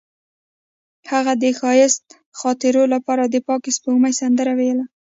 هغې د ښایسته خاطرو لپاره د پاک سپوږمۍ سندره ویله.